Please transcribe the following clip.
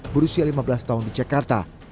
berusia lima belas tahun di jakarta